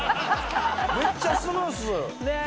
めっちゃスムース！